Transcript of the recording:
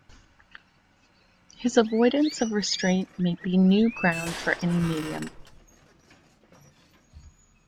His avoidance of restraint may be new ground for any medium.